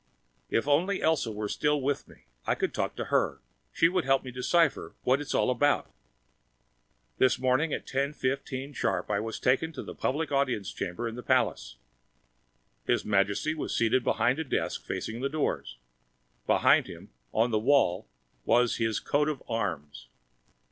If only Elsa were still with me! I could talk to her. She would help me decipher what it's all about. This morning, at 10:15 sharp, I was taken to the public audience chamber in the palace. His Majesty was seated behind a desk facing the doors. Behind him, on the wall, was His Coat of Arms.